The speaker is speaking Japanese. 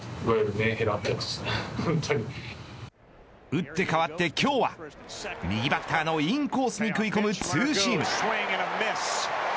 うって変わって今日は右バッターのインコースに食い込むツーシーム。